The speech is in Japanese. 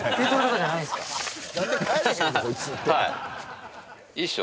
はい